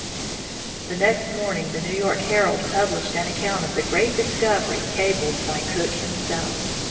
The next morning the New York Herald published an account of the great discovery cabled by Cook himself.